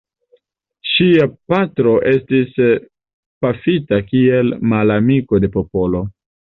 Ŝia patro estis pafita kiel «malamiko de popolo».